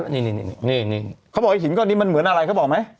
นี่เขาบอกไอ้หินก้อนนี้มันเหมือนอะไรเขาบอกไหม